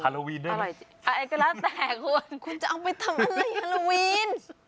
ฮาโลวีนได้มั้ยคุณจะเอาไปทำอะไรฮาโลวีน